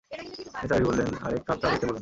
নিসার আলি বললেন, আরেক কাপ চা দিতে বলুন।